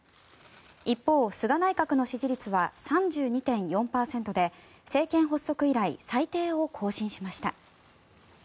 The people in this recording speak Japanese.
一方、菅内閣の支持率は３２．４％で政権発足以来最低を更新しました。